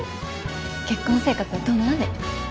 結婚生活はどんなね？